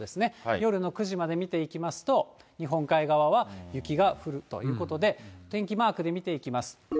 夜の９時まで見ていきますと、日本海側は雪が降るということで、天気マークで見ていきます。